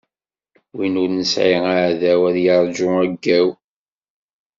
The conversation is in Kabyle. Win ur nesɛi aɛdaw, ad yeṛǧu aggaw!